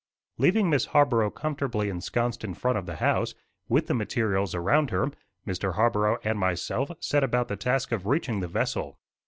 Leaving Miss Harborough comfortably ensconced in front of the house, with the materials around her, Mr. Harborough and myself set about the task of reaching the vessel.